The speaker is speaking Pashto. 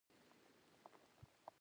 د بشپړ تسلط زغمل ورته ګرانه خبره وه.